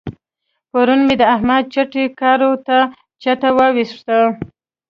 پرون مې د احمد چټي کارو ته چته واوښته.